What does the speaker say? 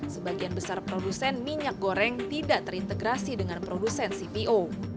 sebagian besar produsen minyak goreng tidak terintegrasi dengan produsen cpo